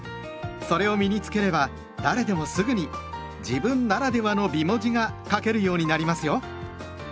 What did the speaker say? それを身に付ければ誰でもすぐに「自分ならではの美文字」が書けるようになりますよ。